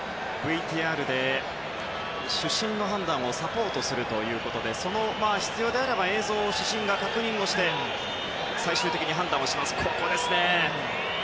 ＶＴＲで主審の判断をサポートするということで必要なら映像を主審が確認して最終的に判断します。